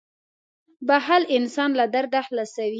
• بښل انسان له درده خلاصوي.